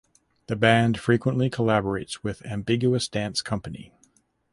The band frequently collaborates with Ambiguous Dance Company.